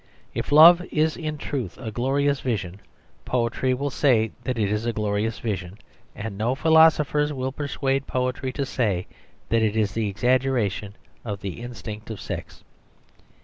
If love is in truth a glorious vision, poetry will say that it is a glorious vision, and no philosophers will persuade poetry to say that it is the exaggeration of the instinct of sex.